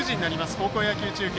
高校野球中継